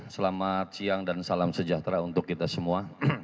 selamat siang dan salam sejahtera untuk kita semua